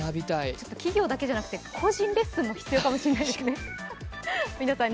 企業だけじゃなくて、個人レッスンも必要かもしれないですね。